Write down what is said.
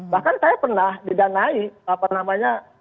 bahkan saya pernah didanai apa namanya